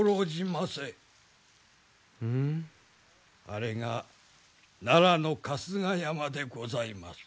あれが奈良の春日山でございます。